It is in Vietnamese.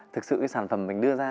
thực sự cái sản phẩm mình đưa ra